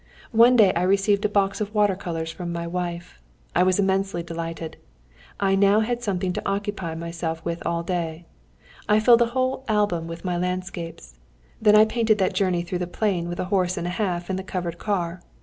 One day I received a box of water colours from my wife. I was immensely delighted. I now had something to occupy myself with all day. I filled a whole album with my landscapes. Then I painted that journey through the plain with a horse and a half in the covered car.